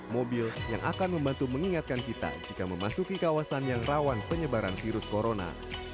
mobil yang akan membantu mengingatkan kita jika memasuki kawasan yang rawan penyebaran virus corona